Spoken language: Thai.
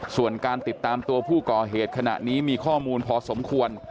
ส่วนการติดตามตัวผู้ก่อเหตุขณะนี้มีข้อมูลพอสมควร